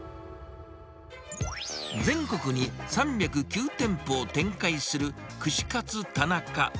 全国に３０９店舗を展開する、串カツ田中。